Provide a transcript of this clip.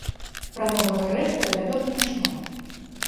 Пра новага рэктара вядома не шмат.